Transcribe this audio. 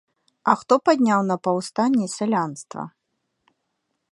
А хто падняў на паўстанне сялянства?